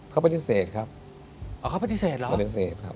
เขาปฏิเสธครับอ๋อเขาปฏิเสธเหรอปฏิเสธครับ